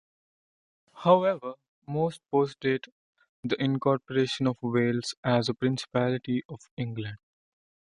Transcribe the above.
However most post-date the incorporation of Wales as a principality of England.